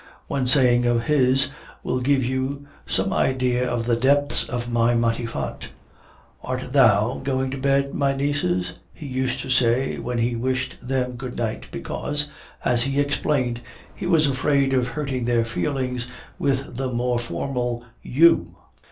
One saying of his will give you some idea of the depths in my Matifat. 'Art thou going to bed, my nieces?' he used to say when he wished them good night, because (as he explained) he was afraid of hurting their feelings with the more formal 'you.